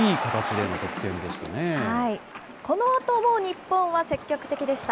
このあとも日本は積極的でした。